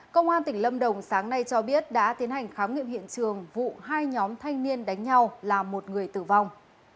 công an tỉnh lâm đồng sáng nay cho biết đã tiến hành khám nghiệm hiện trường vụ hai nhóm thanh niên đánh nhau làm một người tử vong